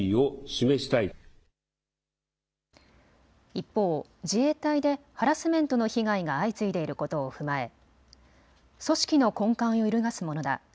一方、自衛隊でハラスメントの被害が相次いでいることを踏まえ組織の根幹を揺るがすものだ。